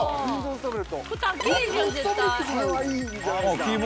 これはいいんじゃないですか。